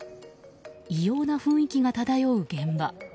異様な雰囲気が漂う現場。